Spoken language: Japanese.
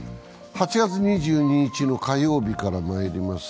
８月２２日の火曜日からまいります。